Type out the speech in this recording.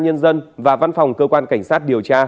nhân dân và văn phòng cơ quan cảnh sát điều tra